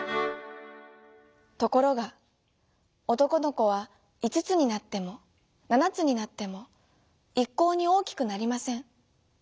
ところがおとこのこは５つになっても７つになってもいっこうにおおきくなりません。